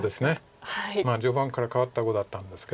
序盤から変わった碁だったんですけど。